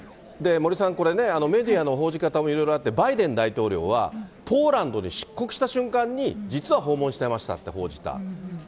森さん、これね、メディアの報じ方もいろいろあって、バイデン大統領はポーランドで出国した瞬間に、実は訪問してましたって報じた。